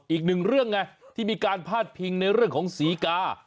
อีกหนึ่งเรื่องไงที่มีการพาดพิงในเรื่องของศรีกา